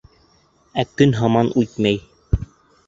Ә көн һаман үтмәй.